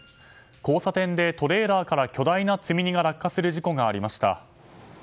交差点でトレーラーから巨大な積み荷が落下する事故がありました。